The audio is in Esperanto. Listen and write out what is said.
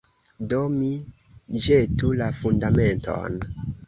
Do mi ĵetu la Fundamenton.